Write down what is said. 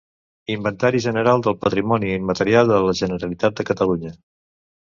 Inventari general del patrimoni immaterial de la Generalitat de Catalunya.